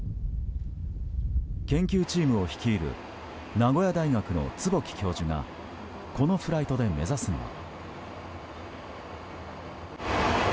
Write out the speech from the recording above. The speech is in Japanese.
研究チームを率いる名古屋大学の坪木教授がこのフライトで目指すのは。